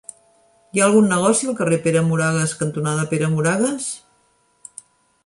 Hi ha algun negoci al carrer Pere Moragues cantonada Pere Moragues?